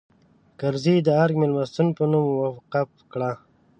کرزي د ارګ مېلمستون په نوم وقف کړه.